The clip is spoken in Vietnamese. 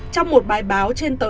trong một bài báo trên tờ